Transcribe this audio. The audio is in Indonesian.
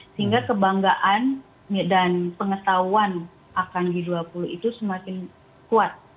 sehingga kebanggaan dan pengetahuan akan g dua puluh itu semakin kuat